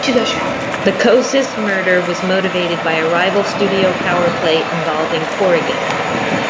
The Kocis murder was motivated by a rival studio power play involving Corrigan.